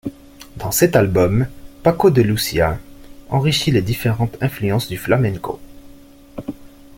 Dans cet album, Paco de Lucía enrichit les différentes influences du flamenco.